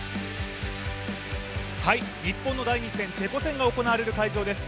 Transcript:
日本の第２戦、チェコ戦が行われる会場です。